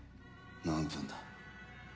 何分だ？